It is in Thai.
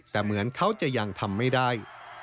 แต่เหมือนเขาจะยังทำไม่ได้